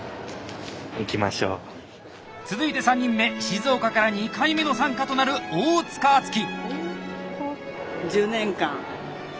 続いて３人目静岡から２回目の参加となる大塚篤樹。